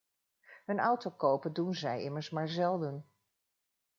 Een auto kopen doen zij immers maar zelden.